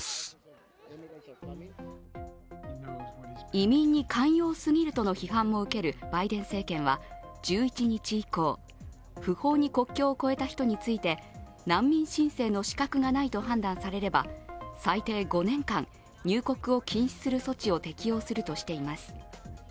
移民に寛容過ぎるとの批判も受けるバイデン政権は１１日以降不法に国境を越えた人について難民申請の資格がないと判断されれば最低５年間、入国を禁止する措置を適用するとしています。